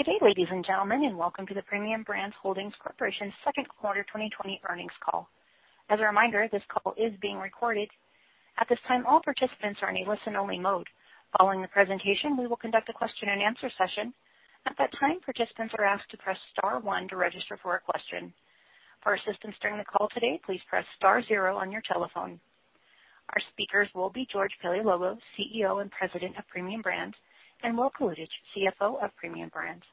Good day, ladies and gentlemen, and welcome to the Premium Brands Holdings Corporation Second Quarter 2020 Earnings Call. As a reminder, this call is being recorded. At this time, all participants are in a listen-only mode. Following the presentation, we will conduct a question and answer session. At that time, participants are asked to press star one to register for a question. For assistance during the call today, please press star zero on your telephone. Our speakers will be George Paleologou, CEO and President of Premium Brands, and Will Kalutycz, CFO of Premium Brands.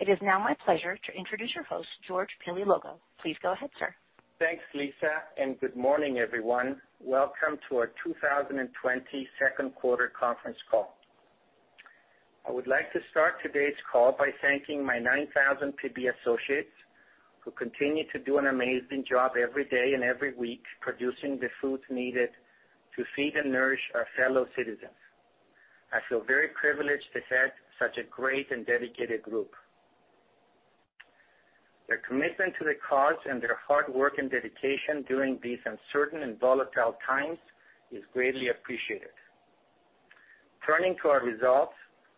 It is now my pleasure to introduce your host, George Paleologou. Please go ahead, sir. Thanks, Lisa. Good morning, everyone. Welcome to our 2020 second quarter conference call. I would like to start today's call by thanking my 9,000 PB associates who continue to do an amazing job every day and every week producing the foods needed to feed and nourish our fellow citizens. I feel very privileged to head such a great and dedicated group. Their commitment to the cause and their hard work and dedication during these uncertain and volatile times is greatly appreciated. Turning to our results,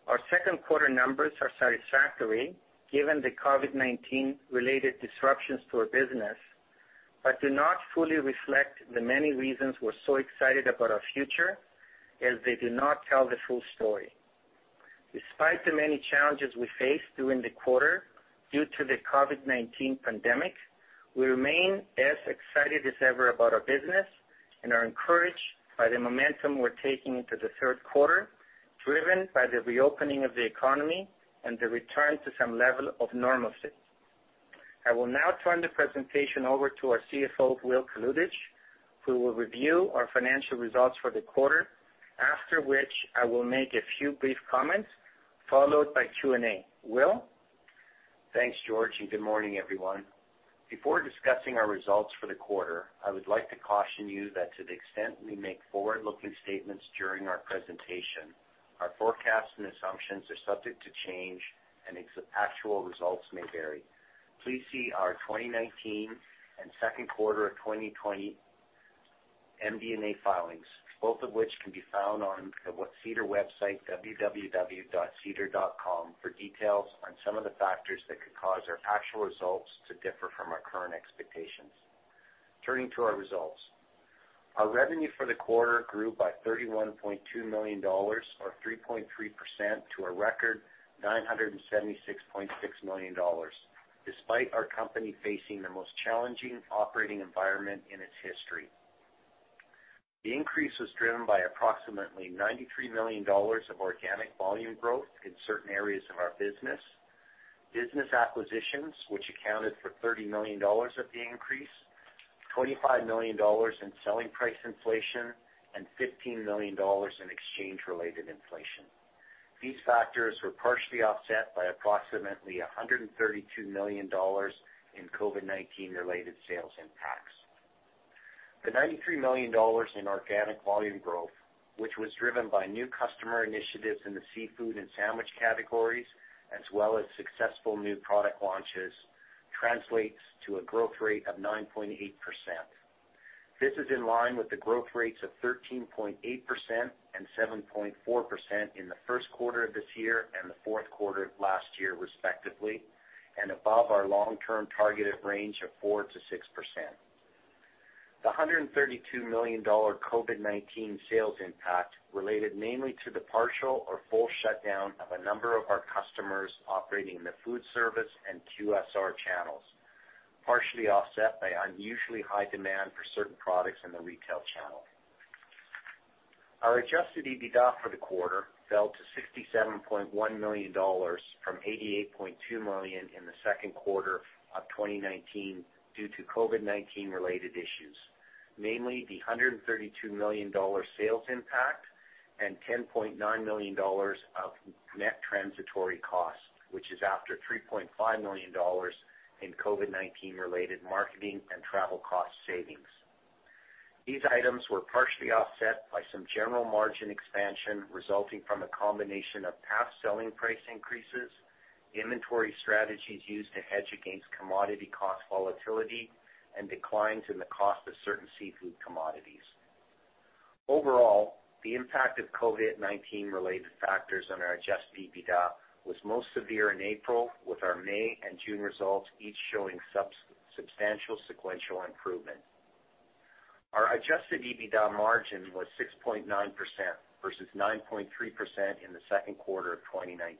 our second quarter numbers are satisfactory given the COVID-19 related disruptions to our business, but do not fully reflect the many reasons we're so excited about our future, as they do not tell the full story. Despite the many challenges we faced during the quarter due to the COVID-19 pandemic, we remain as excited as ever about our business and are encouraged by the momentum we're taking into the third quarter, driven by the reopening of the economy and the return to some level of normalcy. I will now turn the presentation over to our CFO, Will Kalutycz, who will review our financial results for the quarter, after which I will make a few brief comments, followed by Q&A. Will? Thanks, George, and good morning, everyone. Before discussing our results for the quarter, I would like to caution you that to the extent we make forward-looking statements during our presentation, our forecasts and assumptions are subject to change and actual results may vary. Please see our 2019 and second quarter of 2020 MD&A filings, both of which can be found on the SEDAR website, www.sedar.com, for details on some of the factors that could cause our actual results to differ from our current expectations. Turning to our results. Our revenue for the quarter grew by 31.2 million dollars or 3.3% to a record 976.6 million dollars, despite our company facing the most challenging operating environment in its history. The increase was driven by approximately 93 million dollars of organic volume growth in certain areas of our business. Business acquisitions, which accounted for 30 million dollars of the increase, 25 million dollars in selling price inflation, and 15 million dollars in exchange-related inflation. These factors were partially offset by approximately 132 million dollars in COVID-19 related sales impacts. The 93 million dollars in organic volume growth, which was driven by new customer initiatives in the seafood and sandwich categories, as well as successful new product launches, translates to a growth rate of 9.8%. This is in line with the growth rates of 13.8% and 7.4% in the first quarter of this year and the fourth quarter of last year, respectively, and above our long-term targeted range of 4%-6%. The CAD 132 million COVID-19 sales impact related mainly to the partial or full shutdown of a number of our customers operating in the food service and QSR channels, partially offset by unusually high demand for certain products in the retail channel. Our adjusted EBITDA for the quarter fell to 67.1 million dollars from 88.2 million in the second quarter of 2019 due to COVID-19 related issues, mainly the 132 million dollar sales impact and 10.9 million dollars of net transitory costs, which is after 3.5 million dollars in COVID-19 related marketing and travel cost savings. These items were partially offset by some general margin expansion resulting from a combination of past selling price increases, inventory strategies used to hedge against commodity cost volatility, and declines in the cost of certain seafood commodities. Overall, the impact of COVID-19 related factors on our adjusted EBITDA was most severe in April, with our May and June results each showing substantial sequential improvement. Our adjusted EBITDA margin was 6.9% versus 9.3% in the second quarter of 2019.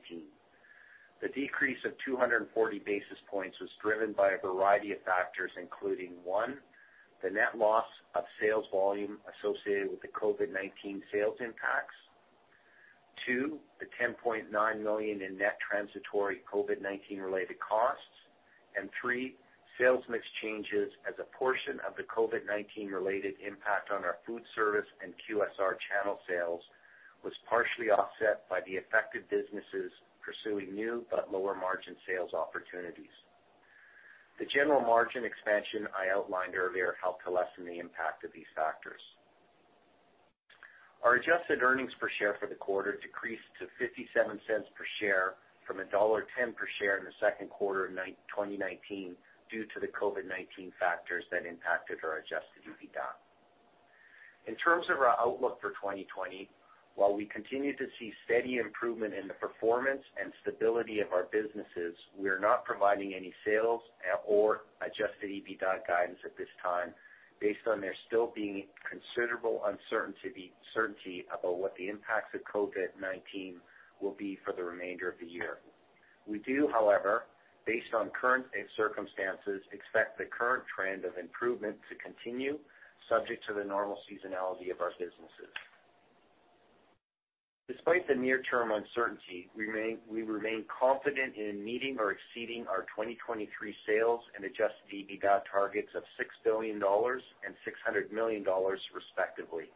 The decrease of 240 basis points was driven by a variety of factors, including, one, the net loss of sales volume associated with the COVID-19 sales impacts. Two, the 10.9 million in net transitory COVID-19 related costs. Three, sales mix changes as a portion of the COVID-19 related impact on our food service and QSR channel sales was partially offset by the affected businesses pursuing new but lower margin sales opportunities. The general margin expansion I outlined earlier helped to lessen the impact of these factors. Our adjusted earnings per share for the quarter decreased to 0.57 per share from dollar 1.10 per share in the second quarter of 2019 due to the COVID-19 factors that impacted our adjusted EBITDA. In terms of our outlook for 2020, while we continue to see steady improvement in the performance and stability of our businesses, we are not providing any sales or adjusted EBITDA guidance at this time based on there still being considerable uncertainty about what the impacts of COVID-19 will be for the remainder of the year. We do, however, based on current circumstances, expect the current trend of improvement to continue, subject to the normal seasonality of our businesses. Despite the near-term uncertainty, we remain confident in meeting or exceeding our 2023 sales and adjusted EBITDA targets of 6 billion dollars and 600 million dollars respectively.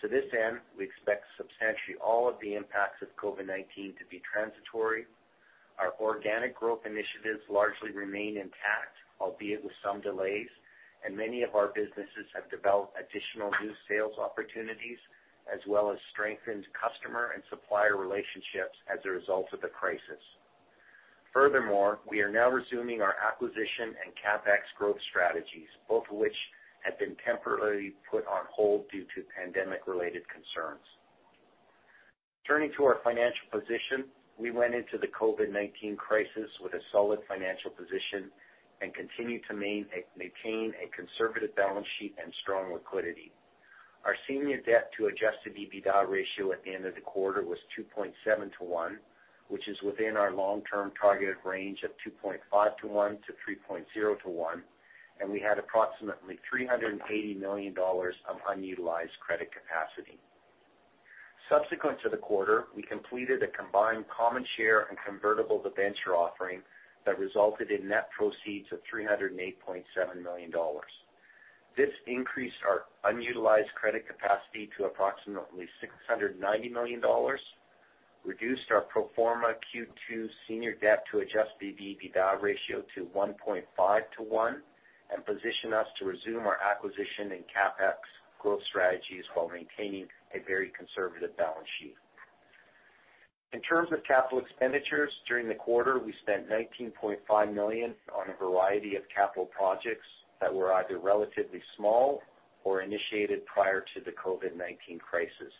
To this end, we expect substantially all of the impacts of COVID-19 to be transitory. Our organic growth initiatives largely remain intact, albeit with some delays, and many of our businesses have developed additional new sales opportunities, as well as strengthened customer and supplier relationships as a result of the crisis. Furthermore, we are now resuming our acquisition and CapEx growth strategies, both of which had been temporarily put on hold due to pandemic-related concerns. Turning to our financial position, we went into the COVID-19 crisis with a solid financial position and continue to maintain a conservative balance sheet and strong liquidity. Our senior debt to adjusted EBITDA ratio at the end of the quarter was 2.7:1, which is within our long-term targeted range of 2.5:1 to 3.0:1, and we had approximately 380 million dollars of unutilized credit capacity. Subsequent to the quarter, we completed a combined common share and convertible debenture offering that resulted in net proceeds of 308.7 million dollars. This increased our unutilized credit capacity to approximately 690 million dollars, reduced our pro forma Q2 senior debt to adjusted EBITDA ratio to 1.5:1, and positioned us to resume our acquisition and CapEx growth strategies while maintaining a very conservative balance sheet. In terms of capital expenditures, during the quarter, we spent 19.5 million on a variety of capital projects that were either relatively small or initiated prior to the COVID-19 crisis,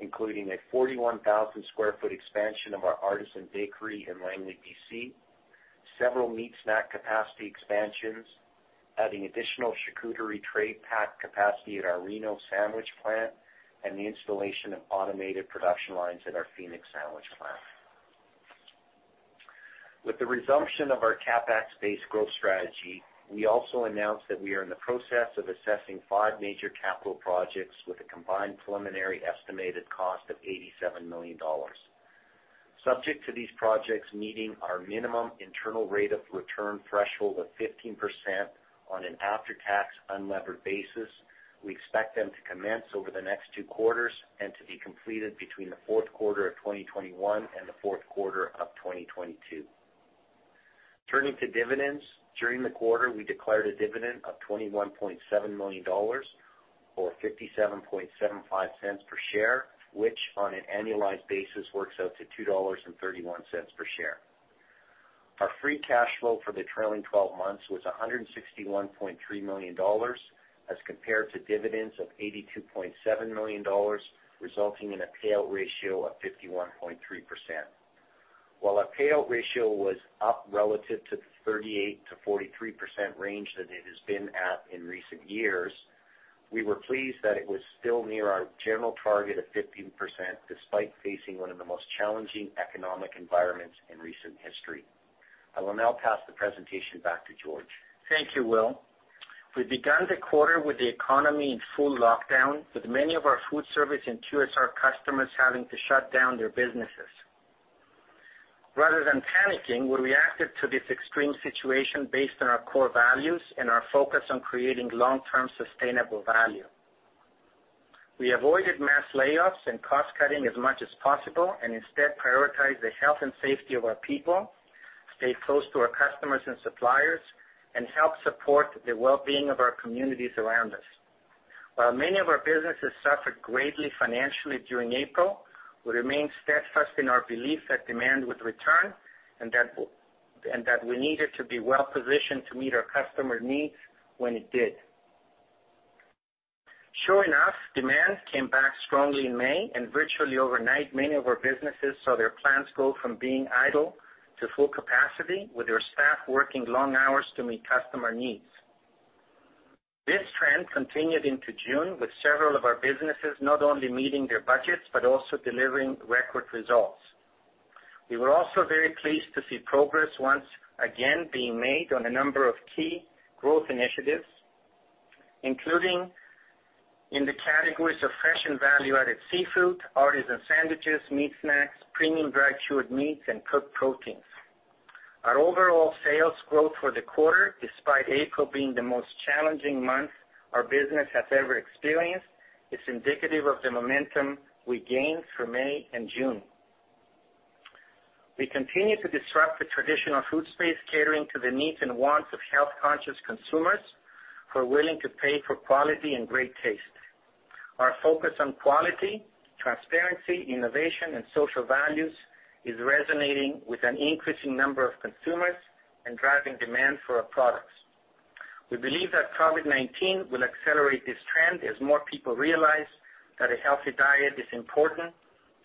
including a 41,000 sq ft expansion of our artisan bakery in Langley, B.C., several meat snack capacity expansions, adding additional charcuterie tray pack capacity at our Reno sandwich plant, and the installation of automated production lines at our Phoenix sandwich plant. With the resumption of our CapEx-based growth strategy, we also announced that we are in the process of assessing five major capital projects with a combined preliminary estimated cost of 87 million dollars. Subject to these projects meeting our minimum internal rate of return threshold of 15% on an after-tax, unlevered basis, we expect them to commence over the next two quarters and to be completed between the fourth quarter of 2021 and the fourth quarter of 2022. Turning to dividends, during the quarter, we declared a dividend of 21.7 million dollars, or 0.5775 per share, which on an annualized basis works out to 2.31 dollars per share. Our free cash flow for the trailing 12 months was 161.3 million dollars as compared to dividends of 82.7 million dollars, resulting in a payout ratio of 51.3%. While our payout ratio was up relative to the 38%-43% range that it has been at in recent years, we were pleased that it was still near our general target of 50%, despite facing one of the most challenging economic environments in recent history. I will now pass the presentation back to George. Thank you, Will. We began the quarter with the economy in full lockdown, with many of our food service and QSR customers having to shut down their businesses. Rather than panicking, we reacted to this extreme situation based on our core values and our focus on creating long-term sustainable value. We avoided mass layoffs and cost-cutting as much as possible, and instead prioritized the health and safety of our people, stayed close to our customers and suppliers, and helped support the well-being of our communities around us. While many of our businesses suffered greatly financially during April, we remained steadfast in our belief that demand would return and that we needed to be well-positioned to meet our customers' needs when it did. Sure enough, demand came back strongly in May, and virtually overnight, many of our businesses saw their plants go from being idle to full capacity, with their staff working long hours to meet customer needs. This trend continued into June with several of our businesses not only meeting their budgets but also delivering record results. We were also very pleased to see progress once again being made on a number of key growth initiatives, including in the categories of fresh and value-added seafood, artisan sandwiches, meat snacks, premium dry cured meats, and cooked proteins. Our overall sales growth for the quarter, despite April being the most challenging month our business has ever experienced, is indicative of the momentum we gained for May and June. We continue to disrupt the traditional food space, catering to the needs and wants of health-conscious consumers who are willing to pay for quality and great taste. Our focus on quality, transparency, innovation, and social values is resonating with an increasing number of consumers and driving demand for our products. We believe that COVID-19 will accelerate this trend as more people realize that a healthy diet is important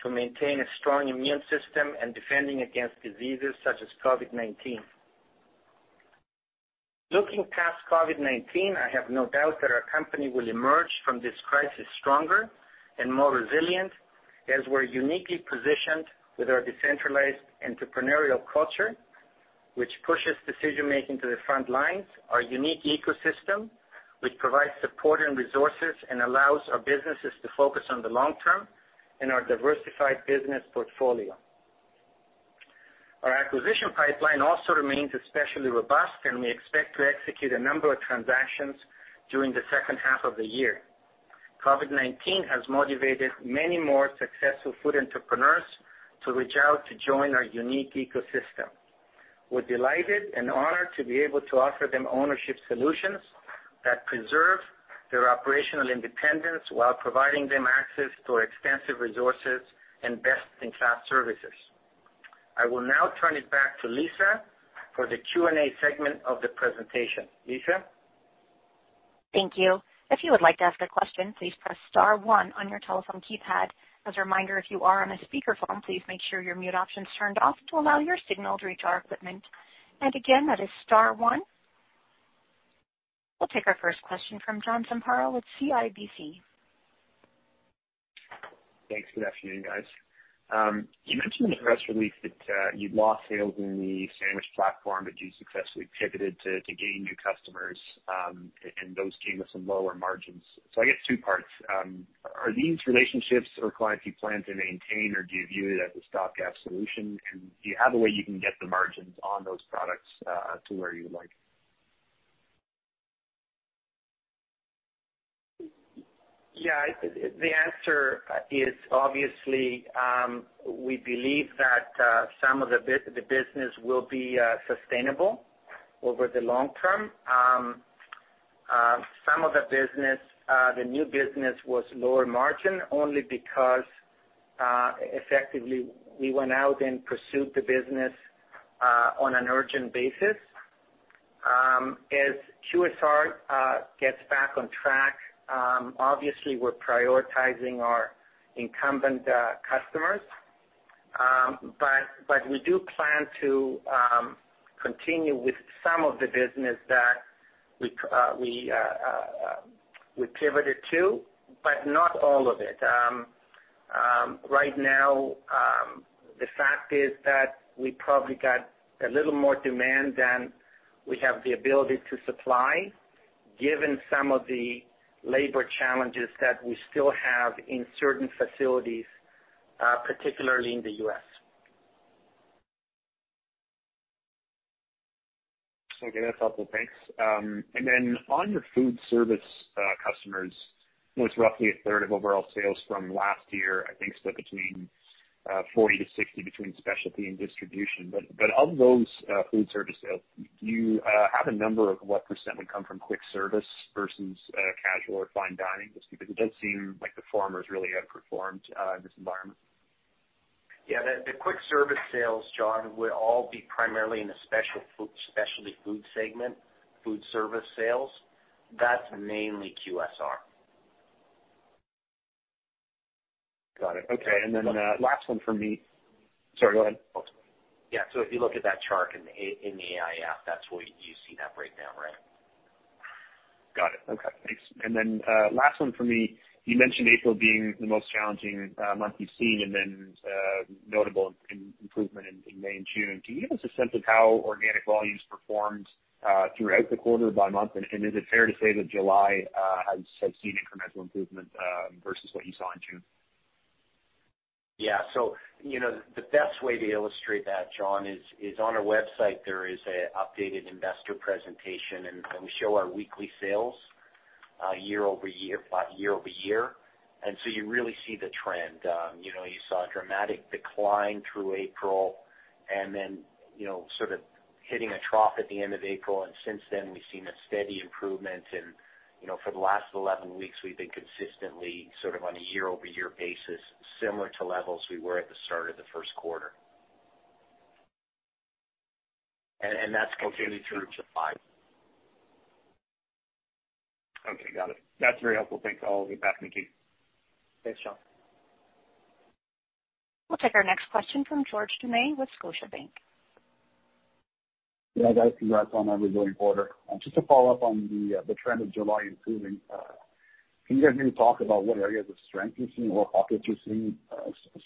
to maintain a strong immune system and defending against diseases such as COVID-19. Looking past COVID-19, I have no doubt that our company will emerge from this crisis stronger and more resilient, as we're uniquely positioned with our decentralized entrepreneurial culture, which pushes decision-making to the front lines, our unique ecosystem, which provides support and resources and allows our businesses to focus on the long term, and our diversified business portfolio. Our acquisition pipeline also remains especially robust, and we expect to execute a number of transactions during the second half of the year. COVID-19 has motivated many more successful food entrepreneurs to reach out to join our unique ecosystem. We're delighted and honored to be able to offer them ownership solutions that preserve their operational independence while providing them access to extensive resources and best-in-class services. I will now turn it back to Lisa for the Q&A segment of the presentation. Lisa? Thank you. If you would like to ask a question, please press star one on your telephone keypad. As a reminder, if you are on a speaker phone, please make sure your mute option's turned off to allow your signal to reach our equipment. And again, that is star one. We'll take our first question from John Zamparo with CIBC. Thanks. Good afternoon, guys. You mentioned in the press release that you've lost sales in the sandwich platform, but you successfully pivoted to gain new customers, and those came with some lower margins. I guess two parts. Are these relationships or clients you plan to maintain or do you view it as a stopgap solution? Do you have a way you can get the margins on those products to where you would like? Yeah. The answer is obviously, we believe that some of the business will be sustainable over the long term. Some of the business, the new business was lower margin only because, effectively, we went out and pursued the business on an urgent basis. As QSR gets back on track, obviously we're prioritizing our incumbent customers. We do plan to continue with some of the business that we pivoted to, but not all of it. Right now, the fact is that we probably got a little more demand than we have the ability to supply, given some of the labor challenges that we still have in certain facilities, particularly in the U.S. Okay. That's helpful. Thanks. On your foodservice customers, it was roughly a third of overall sales from last year. I think split between 40/60 between specialty and distribution. Of those foodservice sales, do you have a number of what percent would come from quick service versus casual or fine dining? Just because it does seem like the former's really outperformed in this environment. Yeah, the quick service sales, John, would all be primarily in the specialty food segment, food service sales. That is mainly QSR. Got it. Okay. Last one from me. Sorry, go ahead. Yeah. If you look at that chart in the MD&A, that's what you see that breakdown, right? Got it. Okay, thanks. Last one from me. You mentioned April being the most challenging month you've seen and then notable improvement in May and June. Can you give us a sense of how organic volumes performed throughout the quarter by month? Is it fair to say that July has seen incremental improvement versus what you saw in June? Yeah. The best way to illustrate that, John, is on our website, there is an updated investor presentation, and we show our weekly sales year-over-year. You really see the trend. You saw a dramatic decline through April and then sort of hitting a trough at the end of April. Since then, we've seen a steady improvement in, for the last 11 weeks, we've been consistently sort of on a year-over-year basis, similar to levels we were at the start of the first quarter. That's continued through July. Okay. Got it. That's very helpful. Thanks. I'll give it back to the queue. Thanks, John. We'll take our next question from George Doumet with Scotiabank. Yeah, guys. Congrats on a resilient quarter. Just to follow up on the trend of July improving, can you guys maybe talk about what areas of strength you're seeing or pockets you're seeing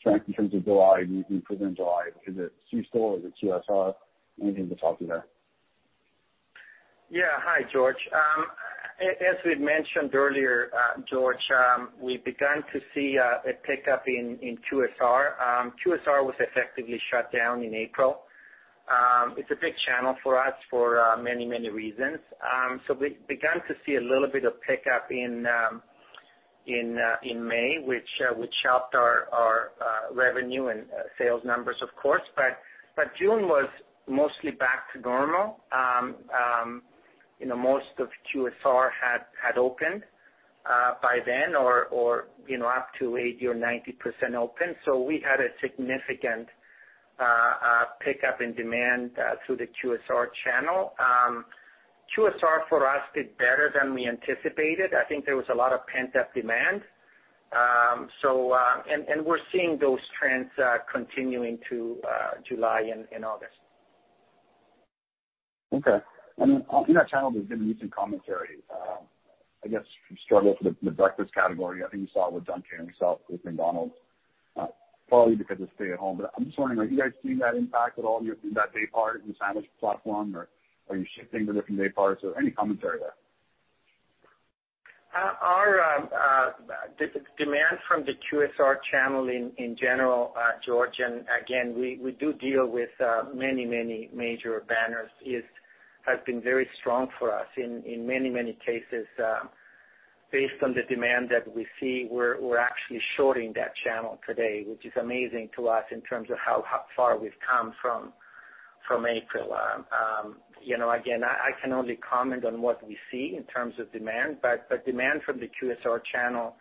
strength in terms of July, improving July? Is it C-store? Is it QSR? Anything to talk to there? Hi, George. As we've mentioned earlier, George, we've begun to see a pickup in QSR. QSR was effectively shut down in April. It's a big channel for us for many, many reasons. We began to see a little bit of pickup in May, which helped our revenue and sales numbers, of course. June was mostly back to normal. Most of QSR had opened by then or up to 80% or 90% open. We had a significant pickup in demand through the QSR channel. QSR for us did better than we anticipated. I think there was a lot of pent-up demand. We're seeing those trends continuing to July and August. Okay. In that channel, there's been recent commentary, I guess, struggle for the breakfast category. I think we saw it with Dunkin', we saw it with McDonald's, probably because of stay at home. I'm just wondering, are you guys seeing that impact at all in that day part, in the sandwich platform, or are you shifting to different day parts or any commentary there? The demand from the QSR channel in general, George, and again, we do deal with many major banners, has been very strong for us in many cases. Based on the demand that we see, we're actually shorting that channel today, which is amazing to us in terms of how far we've come from April. Again, I can only comment on what we see in terms of demand, but demand from the QSR channel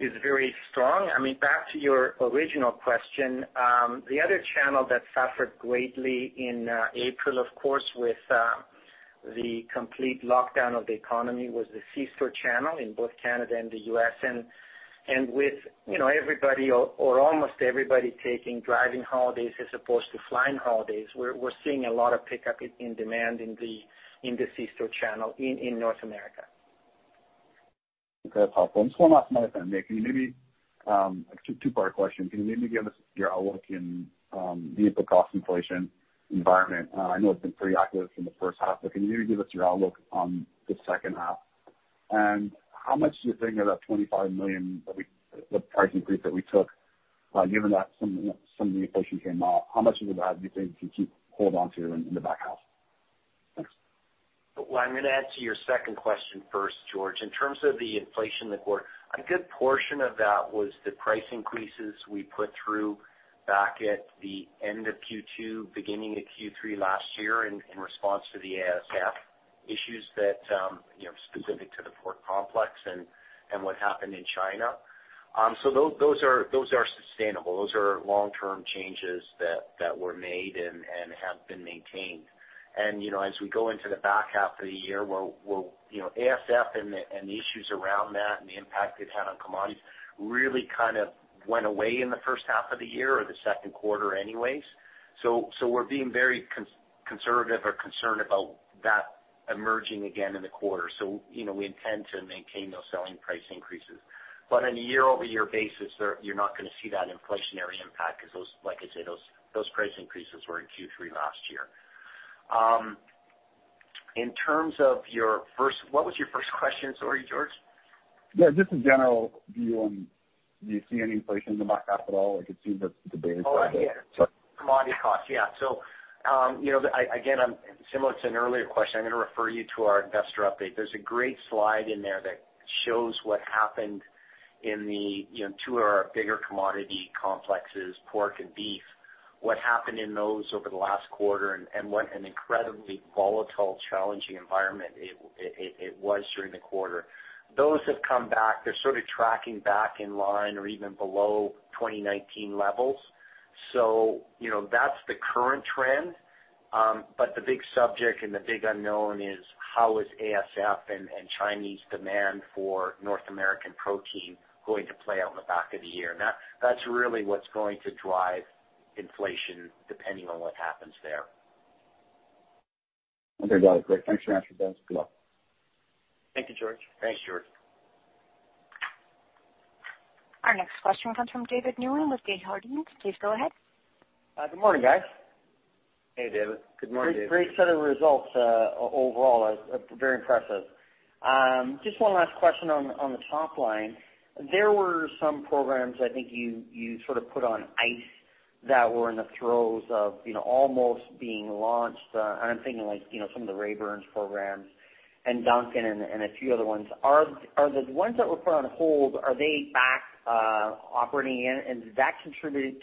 is very strong. Back to your original question, the other channel that suffered greatly in April, of course, with the complete lockdown of the economy was the C-store channel in both Canada and the U.S. With everybody or almost everybody taking driving holidays as opposed to flying holidays, we're seeing a lot of pickup in demand in the C-store channel in North America. Okay. That's helpful. Just one last note I'm going to make. A two-part question. Can you maybe give us your outlook in the input cost inflation environment? I know it's been pretty acute from the first half, but can you maybe give us your outlook on the second half? How much do you think of that 25 million of the price increase that we took, given that some of the inflation came off, how much of that do you think you can keep hold onto in the back half? Thanks. I'm going to answer your second question first, George. In terms of the inflation in the quarter, a good portion of that was the price increases we put through back at the end of Q2, beginning of Q3 last year in response to the ASF issues that, specific to the pork complex and what happened in China. Those are sustainable. Those are long-term changes that were made and have been maintained. As we go into the back half of the year, ASF and the issues around that and the impact it had on commodities really kind of went away in the first half of the year or the second quarter anyways. We're being very conservative or concerned about that emerging again in the quarter. We intend to maintain those selling price increases. On a year-over-year basis, you're not going to see that inflationary impact because those, like I say, those price increases were in Q3 last year. In terms of what was your first question? Sorry, George. Yeah, just a general view on, do you see any inflation in the back half at all? I could see the base of it. Oh, I get it. Commodity cost. Yeah. Again, similar to an earlier question, I'm going to refer you to our investor update. There's a great slide in there that shows what happened in the two of our bigger commodity complexes, pork and beef. What happened in those over the last quarter and what an incredibly volatile, challenging environment it was during the quarter. Those have come back. They're sort of tracking back in line or even below 2019 levels. That's the current trend. The big subject and the big unknown is how is ASF and Chinese demand for North American protein going to play out in the back of the year. That's really what's going to drive inflation depending on what happens there. Understood. Great. Thanks for answering that. Good luck. Thank you, George. Thanks, George. Our next question comes from David Newman with Desjardins. Please go ahead. Good morning, guys. Hey, David. Good morning, David. Great set of results overall. Very impressive. Just one last question on the top line. There were some programs I think you sort of put on ice that were in the throes of almost being launched. I'm thinking like some of the Raybern's programs and Dunkin' and a few other ones. The ones that were put on hold, are they back operating again? Did that contribute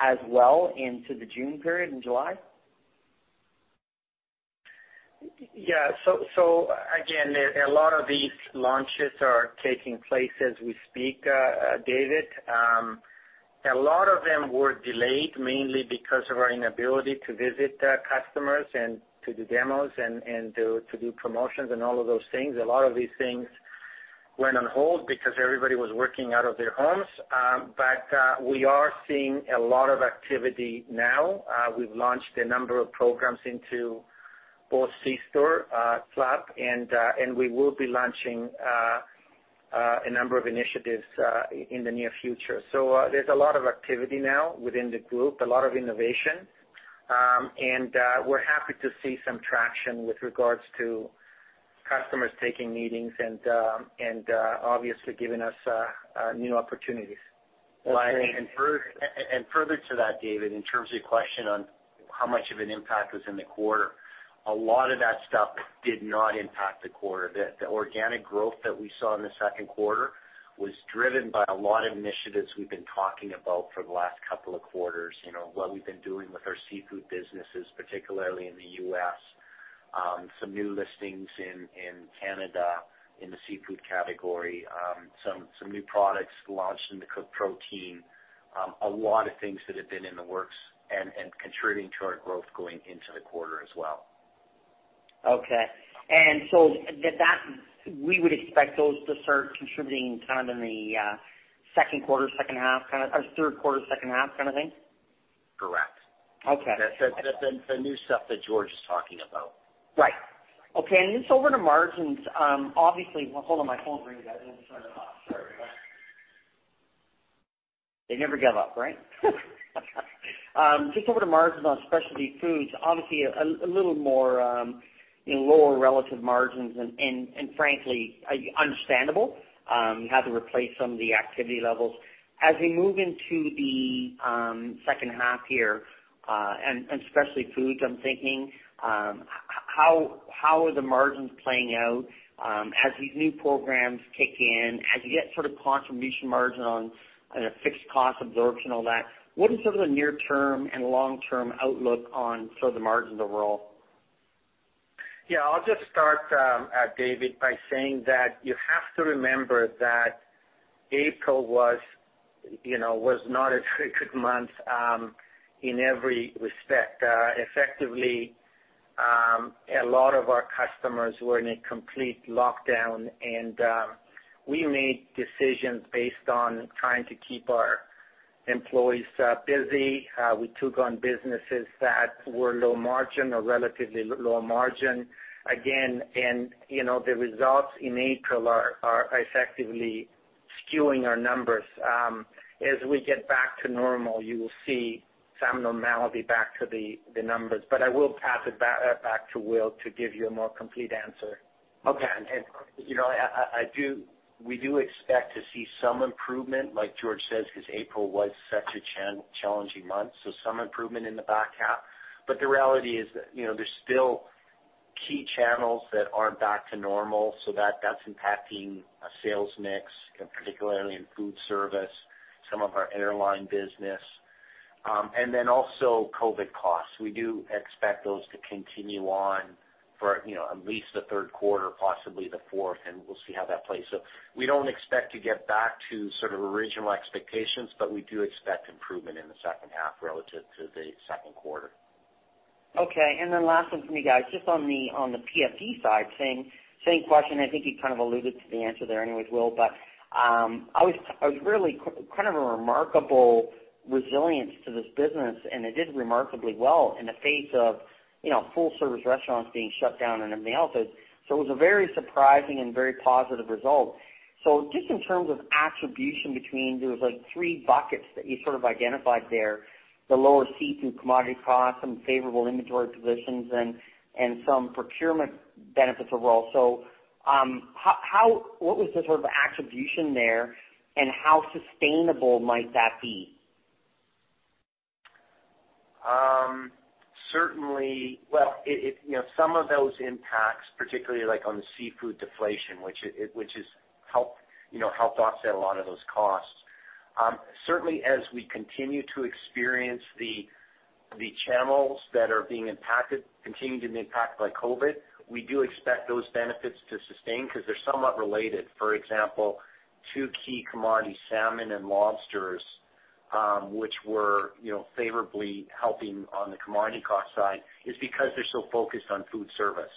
as well into the June period and July? Again, a lot of these launches are taking place as we speak, David. A lot of them were delayed mainly because of our inability to visit customers and to do demos and to do promotions and all of those things. A lot of these things went on hold because everybody was working out of their homes. We are seeing a lot of activity now. We've launched a number of programs into both C-store, club, and we will be launching a number of initiatives in the near future. There's a lot of activity now within the group, a lot of innovation. We're happy to see some traction with regards to customers taking meetings and obviously giving us new opportunities. That's great. Further to that, David, in terms of your question on how much of an impact was in the quarter. A lot of that stuff did not impact the quarter. The organic growth that we saw in the second quarter was driven by a lot of initiatives we've been talking about for the last couple of quarters. What we've been doing with our seafood businesses, particularly in the U.S., some new listings in Canada in the seafood category, some new products launched in the cooked protein. A lot of things that have been in the works and contributing to our growth going into the quarter as well. Okay. We would expect those to start contributing kind of in the second quarter, second half, or third quarter, second half kind of thing? Correct. Okay. The new stuff that George is talking about. Right. Okay. Just over to margins. Well, hold on, my phone's ringing. I just turned it off. Sorry about that. They never give up, right? Just over to margins on specialty foods, obviously, a little more in lower relative margins, and frankly, understandable. You had to replace some of the activity levels. As we move into the second half year, and especially foods, I'm thinking, how are the margins playing out? As these new programs kick in, as you get sort of contribution margin on a fixed cost absorption, all that, what is sort of the near term and long-term outlook on sort of the margins overall? Yeah. I'll just start, David, by saying that you have to remember that April was not a good month in every respect. Effectively, a lot of our customers were in a complete lockdown, and we made decisions based on trying to keep our employees busy. We took on businesses that were low margin or relatively low margin. Again, the results in April are effectively skewing our numbers. As we get back to normal, you will see some normality back to the numbers. I will pass it back to Will to give you a more complete answer. Okay. We do expect to see some improvement, like George says, because April was such a challenging month, so some improvement in the back half. The reality is there's still key channels that aren't back to normal, so that's impacting a sales mix, particularly in food service, some of our airline business. Then also COVID costs. We do expect those to continue on for at least the third quarter, possibly the fourth, and we'll see how that plays. We don't expect to get back to sort of original expectations, but we do expect improvement in the second half relative to the second quarter. Okay. Last one from me, guys. Just on the PFD side, same question. I think you kind of alluded to the answer there anyways, Will, but it was really kind of a remarkable resilience to this business, and it did remarkably well in the face of full-service restaurants being shut down and everything else. It was a very surprising and very positive result. Just in terms of attribution between, there was like three buckets that you sort of identified there, the lower seafood commodity costs, some favorable inventory positions, and some procurement benefits overall. What was the sort of attribution there, and how sustainable might that be? Certainly. Well, some of those impacts, particularly like on the seafood deflation, which has helped offset a lot of those costs. Certainly, as we continue to experience the channels that are being impacted, continuing to be impacted by COVID, we do expect those benefits to sustain because they're somewhat related. For example, two key commodities, salmon and lobsters, which were favorably helping on the commodity cost side, is because they're so focused on food service.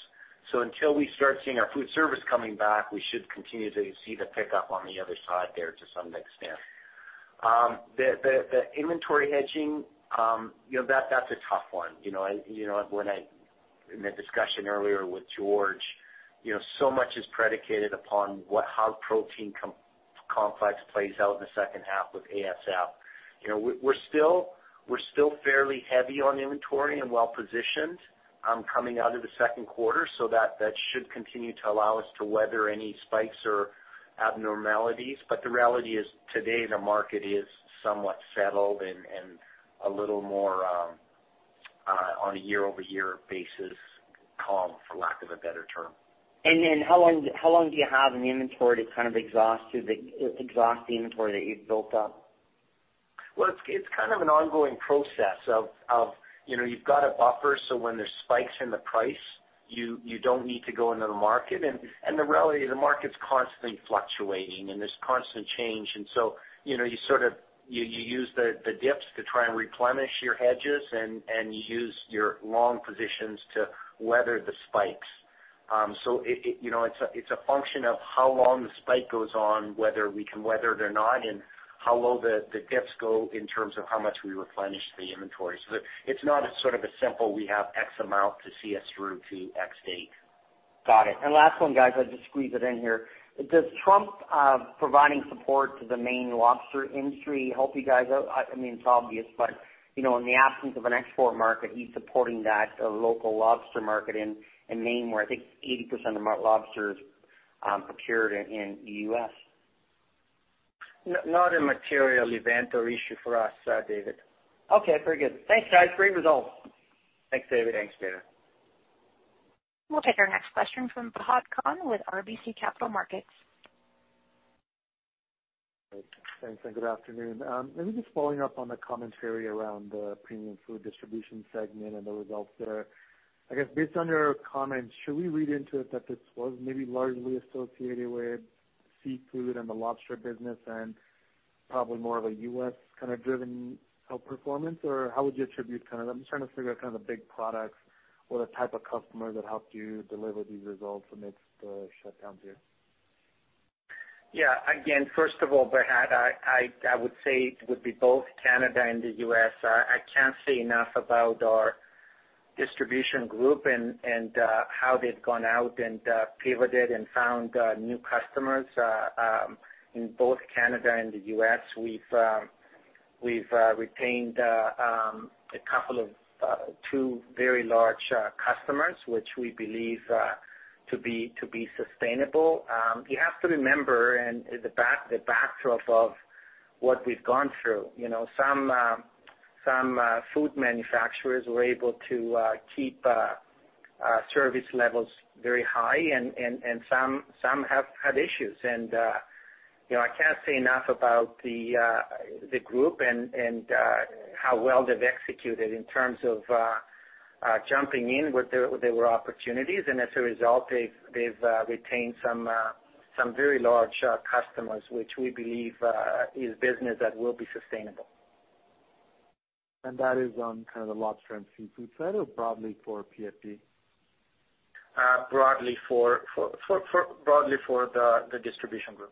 Until we start seeing our food service coming back, we should continue to see the pickup on the other side there to some extent. The inventory hedging, that's a tough one. In the discussion earlier with George, so much is predicated upon how protein complex plays out in the second half with ASF. We're still fairly heavy on inventory and well-positioned coming out of the second quarter. That should continue to allow us to weather any spikes or abnormalities. The reality is today, the market is somewhat settled and a little more, on a year-over-year basis, calm, for lack of a better term. How long do you have in the inventory to kind of exhaust the inventory that you've built up? Well, it's kind of an ongoing process of you've got a buffer, so when there's spikes in the price, you don't need to go into the market. The reality, the market's constantly fluctuating, and there's constant change. You use the dips to try and replenish your hedges, and you use your long positions to weather the spikes. It's a function of how long the spike goes on, whether we can weather it or not, and how low the dips go in terms of how much we replenish the inventory. It's not a sort of a simple, we have X amount to see us through to X date. Got it. Last one, guys. I'll just squeeze it in here. Does Trump providing support to the Maine lobster industry help you guys out? I mean, it's obvious, but in the absence of an export market, he's supporting that local lobster market in Maine, where I think 80% of lobsters procured are in the U.S. Not a material event or issue for us, David. Okay, very good. Thanks, guys. Great results. Thanks, David. Thanks, David. We'll take our next question from Fahad Khan with RBC Capital Markets. Thanks, and good afternoon. Let me just follow up on the commentary around the Premium Food Distribution segment and the results there. I guess, based on your comments, should we read into it that this was maybe largely associated with seafood and the lobster business and probably more of a U.S. kind of driven out performance? Or how would you attribute Canada? I'm just trying to figure out kind of the big products or the type of customer that helped you deliver these results amidst the shutdowns here. Yeah. Again, first of all, Fahad, I would say it would be both Canada and the U.S. I can't say enough about our distribution group and how they've gone out and pivoted and found new customers, in both Canada and the U.S. We've retained a couple of two very large customers, which we believe to be sustainable. You have to remember the backdrop of what we've gone through. Some food manufacturers were able to keep service levels very high and some have had issues. I can't say enough about the group and how well they've executed in terms of jumping in where there were opportunities, and as a result, they've retained some very large customers, which we believe is business that will be sustainable. That is on kind of the lobster and seafood side, or broadly for PFD? Broadly for the distribution group.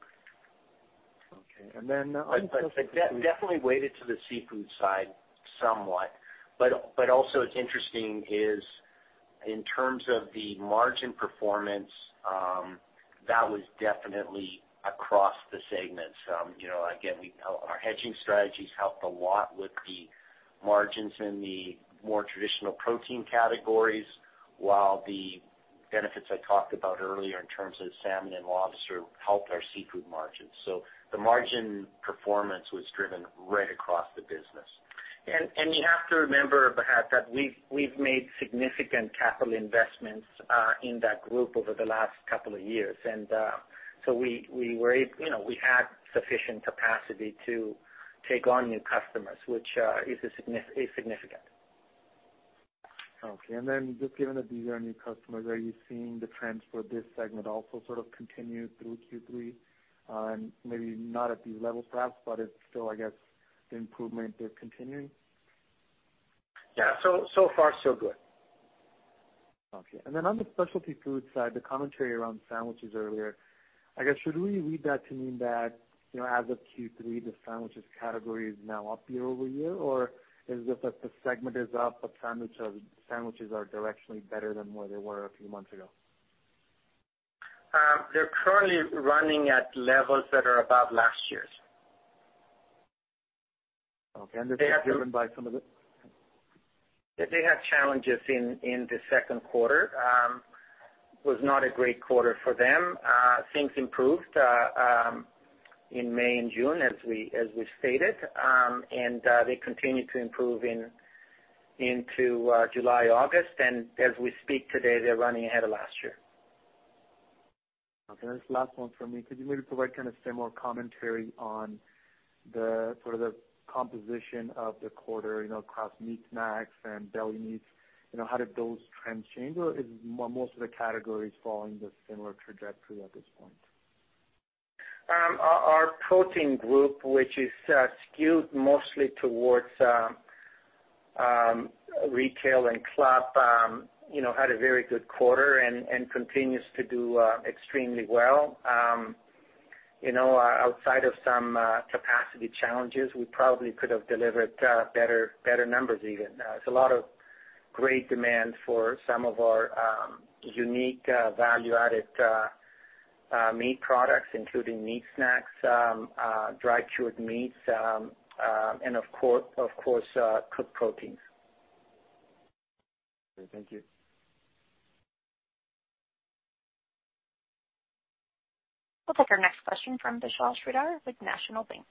Okay. Definitely weighted to the seafood side somewhat. Also what's interesting is in terms of the margin performance, that was definitely across the segments. Again, our hedging strategies helped a lot with the margins in the more traditional protein categories, while the benefits I talked about earlier in terms of salmon and lobster helped our seafood margins. The margin performance was driven right across the business. You have to remember, Fahad, that we've made significant capital investments in that group over the last couple of years. So we had sufficient capacity to take on new customers, which is significant. Okay. Just given that these are new customers, are you seeing the trends for this segment also sort of continue through Q3? Maybe not at these levels, perhaps, but it's still, I guess, the improvement is continuing? Yeah. So far so good. Okay. On the specialty food side, the commentary around sandwiches earlier, I guess, should we read that to mean that as of Q3, the sandwiches category is now up year-over-year? Or is it that the segment is up, but sandwiches are directionally better than where they were a few months ago? They're currently running at levels that are above last year's. Okay. Is this driven by some of the? They had challenges in the second quarter. It was not a great quarter for them. Things improved in May and June, as we stated. They continued to improve into July, August. As we speak today, they're running ahead of last year. Okay, this is the last one from me. Could you maybe provide kind of similar commentary on the sort of the composition of the quarter, across meat snacks and deli meats? How did those trends change? Is most of the categories following the similar trajectory at this point? Our protein group, which is skewed mostly towards retail and club, had a very good quarter and continues to do extremely well. Outside of some capacity challenges, we probably could have delivered better numbers even. There is a lot of great demand for some of our unique value-added meat products, including meat snacks, dry cured meats, and of course, cooked proteins. Okay, thank you. We'll take our next question from Vishal Shreedhar with National Bank.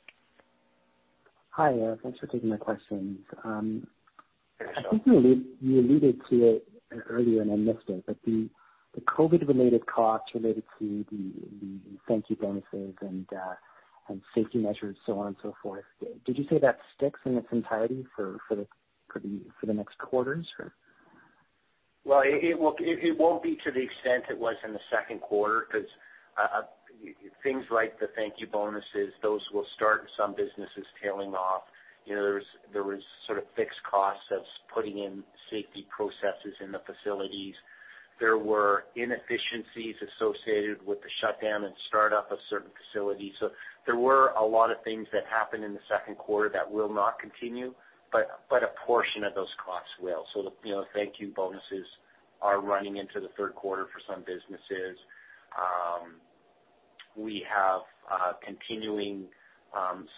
Hi. Thanks for taking my questions. Hi, Vishal. I think you alluded to it earlier, and I missed it, but the COVID-related costs related to the thank you bonuses and safety measures, so on and so forth, did you say that sticks in its entirety for the next quarters? Well, it won't be to the extent it was in the second quarter because things like the thank you bonuses, those will start in some businesses tailing off. There was sort of fixed costs as putting in safety processes in the facilities. There were inefficiencies associated with the shutdown and start-up of certain facilities. There were a lot of things that happened in the second quarter that will not continue, but a portion of those costs will. The thank you bonuses are running into the third quarter for some businesses. We have continuing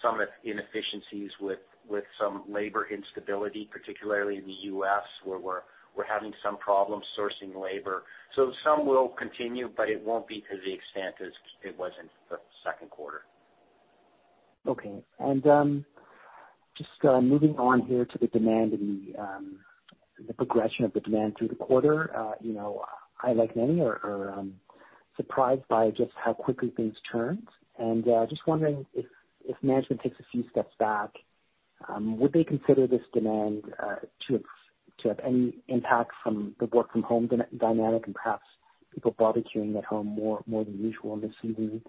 some inefficiencies with some labor instability, particularly in the U.S., where we're having some problems sourcing labor. Some will continue, but it won't be to the extent as it was in the second quarter. Okay. Just moving on here to the demand and the progression of the demand through the quarter. I, like many, are surprised by just how quickly things turned. Just wondering if management takes a few steps back, would they consider this demand to have any impact from the work from home dynamic and perhaps people barbecuing at home more than usual this season?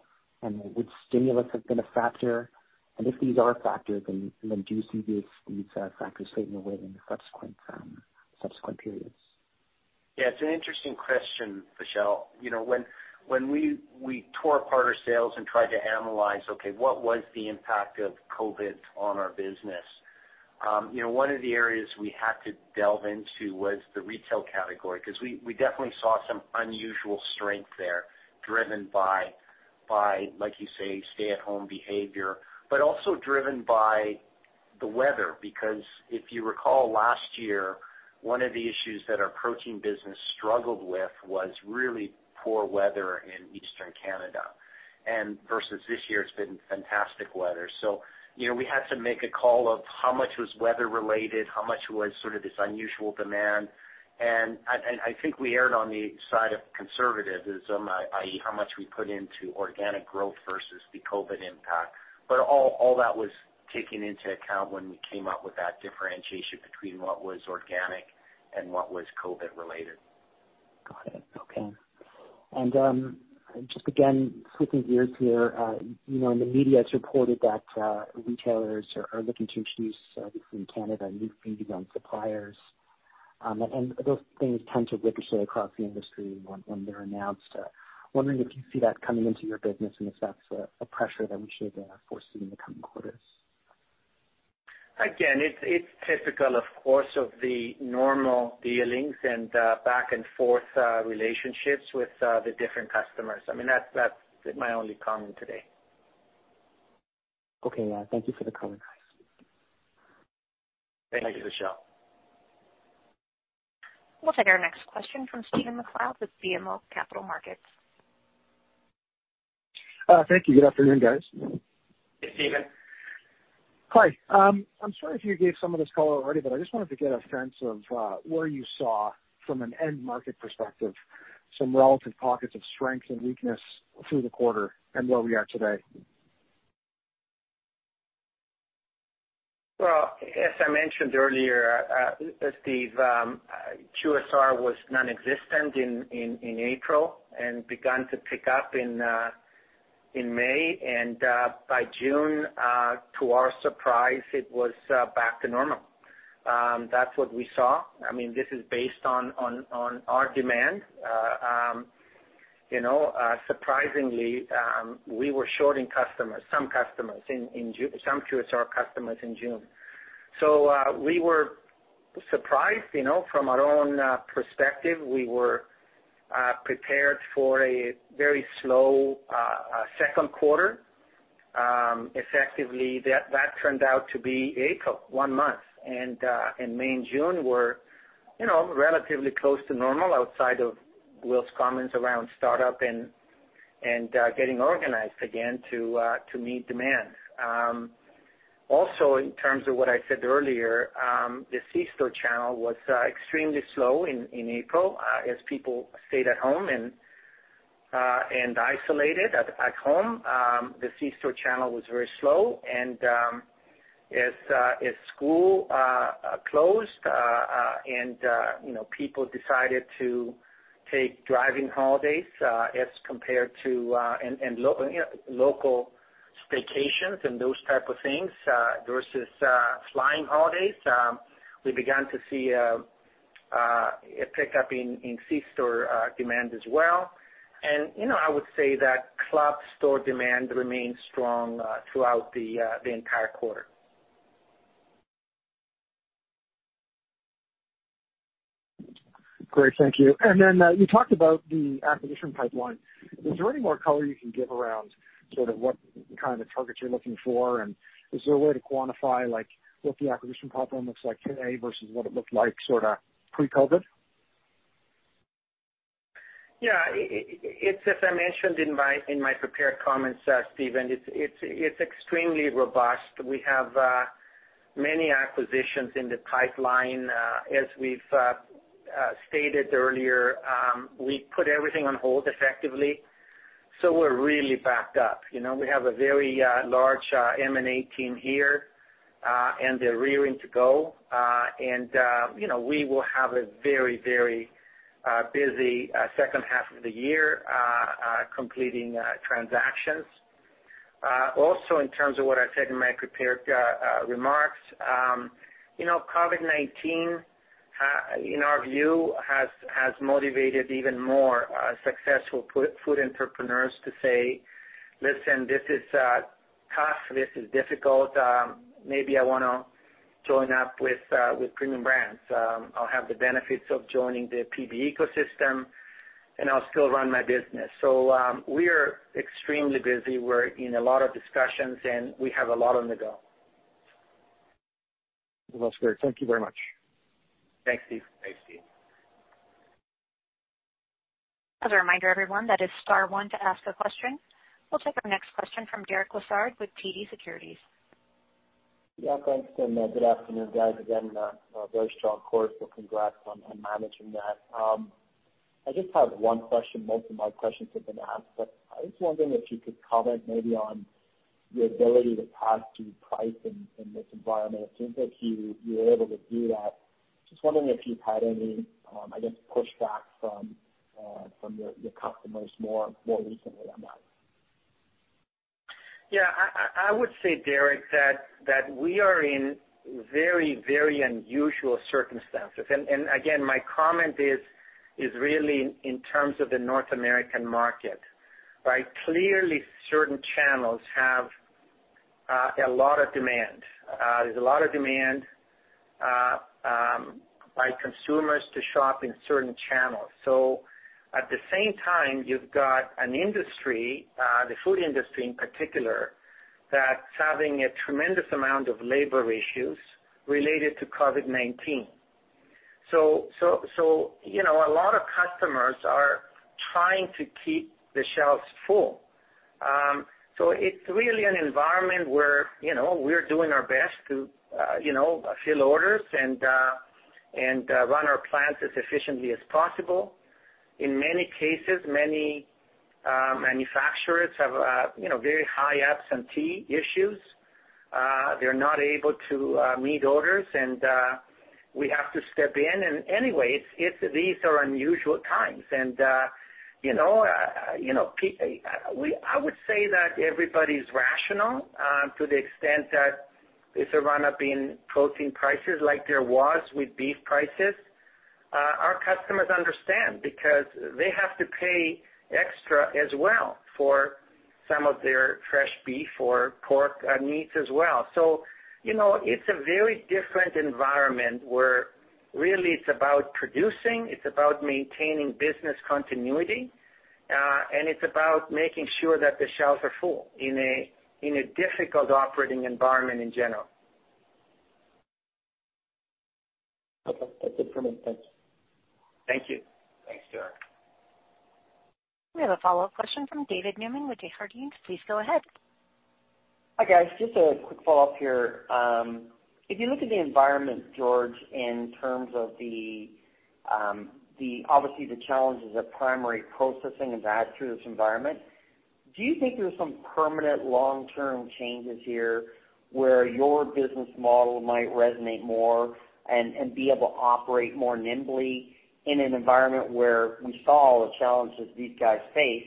Would stimulus have been a factor? If these are factors, then do you see these factors fading away in the subsequent periods? Yeah. It's an interesting question, Vishal. When we tore apart our sales and tried to analyze, okay, what was the impact of COVID on our business, one of the areas we had to delve into was the retail category, because we definitely saw some unusual strength there driven by, like you say, stay at home behavior, but also driven by the weather. If you recall last year, one of the issues that our protein business struggled with was really poor weather in Eastern Canada. Versus this year, it's been fantastic weather. We had to make a call of how much was weather related, how much was sort of this unusual demand. I think we erred on the side of conservatism, i.e., how much we put into organic growth versus the COVID impact. All that was taken into account when we came up with that differentiation between what was organic and what was COVID related. Got it. Okay. Just again, switching gears here. In the media, it is reported that retailers are looking to introduce, I think in Canada, new fees on suppliers. Those things tend to ricochet across the industry when they are announced. Wondering if you see that coming into your business and if that is a pressure that we should foresee in the coming quarters? It's typical, of course, of the normal dealings and back and forth relationships with the different customers. I mean, that's my only comment today. Okay. Thank you for the comment. Thank you, Vishal. We'll take our next question from Stephen MacLeod with BMO Capital Markets. Thank you. Good afternoon, guys. Hey, Stephen. Hi. I'm sorry if you gave some of this color already, I just wanted to get a sense of where you saw, from an end market perspective, some relative pockets of strength and weakness through the quarter and where we are today. Well, as I mentioned earlier, Steve, QSR was nonexistent in April and begun to pick up in May. By June, to our surprise, it was back to normal. That's what we saw. This is based on our demand. Surprisingly, we were shorting some QSR customers in June. We were surprised. From our own perspective, we were prepared for a very slow second quarter. Effectively, that turned out to be April, one month. May and June were relatively close to normal outside of Will's comments around startup and getting organized again to meet demand. Also, in terms of what I said earlier, the C-store channel was extremely slow in April, as people stayed at home and isolated at home. The C-store channel was very slow. As school closed and people decided to take driving holidays and local staycations and those type of things versus flying holidays, we began to see a pickup in C-store demand as well. I would say that club store demand remained strong throughout the entire quarter. Great. Thank you. You talked about the acquisition pipeline. Is there any more color you can give around sort of what kind of targets you're looking for? Is there a way to quantify, like, what the acquisition pipeline looks like today versus what it looked like sort of pre-COVID? As I mentioned in my prepared comments, Steve, it's extremely robust. We have many acquisitions in the pipeline. As we've stated earlier, we put everything on hold effectively, so we're really backed up. We have a very large M&A team here, and they're raring to go. We will have a very busy second half of the year completing transactions. Also, in terms of what I said in my prepared remarks. COVID-19, in our view, has motivated even more successful food entrepreneurs to say, "Listen, this is tough. This is difficult. Maybe I want to join up with Premium Brands. I'll have the benefits of joining the PB ecosystem, and I'll still run my business." We're extremely busy. We're in a lot of discussions, and we have a lot on the go. That's great. Thank you very much. Thanks, Steve. As a reminder to everyone, that is star one to ask a question. We'll take our next question from Derek Lessard with TD Securities. Yeah, thanks, and good afternoon, guys. Again, a very strong quarter. Congrats on managing that. I just have one question. Most of my questions have been asked. I was wondering if you could comment maybe on your ability to pass through price in this environment. It seems like you were able to do that. Just wondering if you've had any, I guess, pushback from your customers more recently on that. Yeah, I would say, Derek, that we are in very unusual circumstances. Again, my comment is really in terms of the North American market, right? Clearly, certain channels have a lot of demand. There's a lot of demand by consumers to shop in certain channels. At the same time, you've got an industry, the food industry in particular, that's having a tremendous amount of labor issues related to COVID-19. A lot of customers are trying to keep the shelves full. It's really an environment where we're doing our best to fill orders and run our plants as efficiently as possible. In many cases, many manufacturers have very high absentee issues. They're not able to meet orders, and we have to step in. Anyway, these are unusual times. I would say that everybody's rational to the extent that there's a run-up in protein prices like there was with beef prices. Our customers understand because they have to pay extra as well for some of their fresh beef or pork meats as well. It's a very different environment where really it's about producing, it's about maintaining business continuity, and it's about making sure that the shelves are full in a difficult operating environment in general. Okay, that's it for me. Thanks. Thank you. Thanks, Derek. We have a follow-up question from David Newman with Desjardins. Please go ahead. Hi, guys. Just a quick follow-up here. If you look at the environment, George, in terms of obviously the challenges of primary processing and that through this environment, do you think there's some permanent long-term changes here where your business model might resonate more and be able to operate more nimbly in an environment where we saw the challenges these guys face?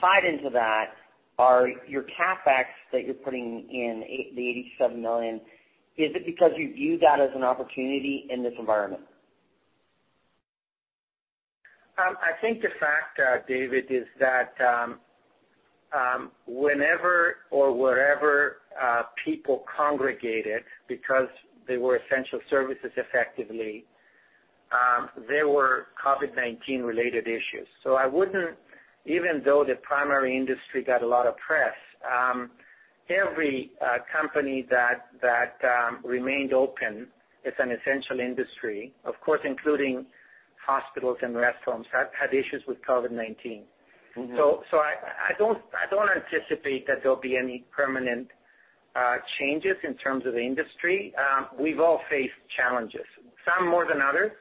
Tied into that, are your CapEx that you're putting in, the 87 million, is it because you view that as an opportunity in this environment? I think the fact, David, is that whenever or wherever people congregated, because they were essential services effectively, there were COVID-19 related issues. I wouldn't, even though the primary industry got a lot of press, every company that remained open as an essential industry, of course including hospitals and restaurants, had issues with COVID-19. I don't anticipate that there'll be any permanent changes in terms of the industry. We've all faced challenges, some more than others,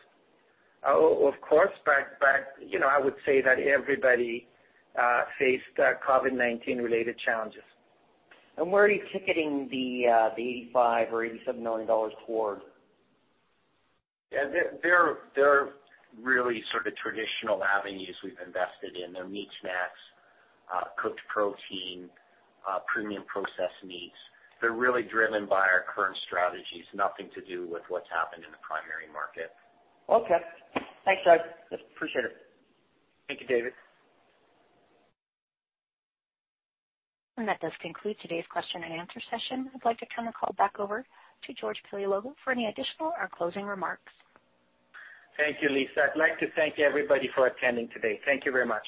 of course, but I would say that everybody faced COVID-19 related challenges. Where are you ticketing the 85 million or 87 million dollars toward? They're really sort of traditional avenues we've invested in. They're meat snacks, cooked protein, premium processed meats. They're really driven by our current strategies, nothing to do with what's happened in the primary market. Okay. Thanks, guys. Appreciate it. Thank you, David. That does conclude today's question and answer session. I'd like to turn the call back over to George Paleologou for any additional or closing remarks. Thank you, Lisa. I'd like to thank everybody for attending today. Thank you very much.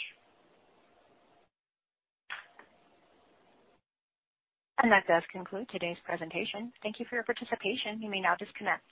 That does conclude today's presentation. Thank you for your participation. You may now disconnect.